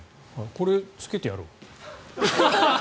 これ、つけてやろう。